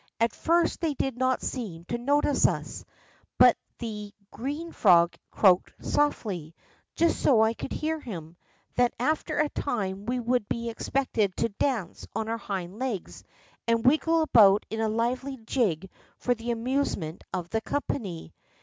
At first they did not seem to notice us, but the green frog croaked softly, just so I could hear him, that after a time we would he expected to dance on our hind legs, and wiggle about in a lively jig for the amusement of the company.